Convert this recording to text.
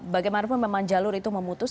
bagaimanapun memang jalur itu memutus